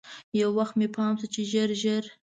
یو وخت مې پام شو چې ژر ژر.